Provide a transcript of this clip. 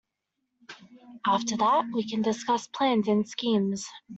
After that we can discuss plans and schemes.